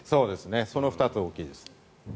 その２つが大きいです。